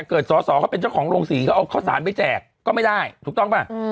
สอสอเขาเป็นเจ้าของโรงศรีเขาเอาข้าวสารไปแจกก็ไม่ได้ถูกต้องป่ะ